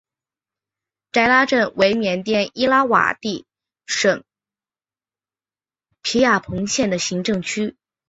斋拉镇为缅甸伊洛瓦底省皮亚朋县的行政区。